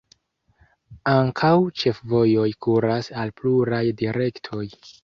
Ankaŭ ĉefvojoj kuras al pluraj direktoj.